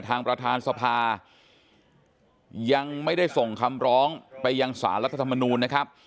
ทางประธานสภายังไม่ได้ส่งคำร้องไปยังสารรัฐธรรมนูลนะครับ